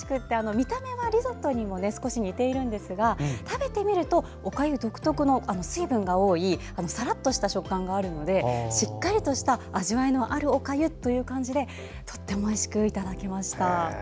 見た目はリゾットにも少し似ているんですが食べてみるとおかゆ独特の水分が多いサラッとした食感があるのでしっかりと味わいのあるおかゆという感じでとてもおいしくいただけました。